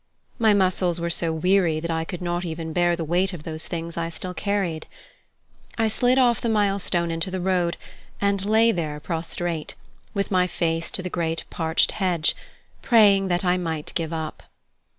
My muscles were so weary that I could not even bear the weight of those things I still carried. I slid off the milestone into the road, and lay there prostrate, with my face to the great parched hedge, praying that I might give up.